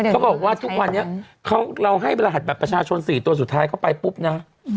เขาบอกว่าทุกวันนี้เราให้รหัสบัตรประชาชน๔ตัวสุดท้ายเข้าไปปุ๊บนะ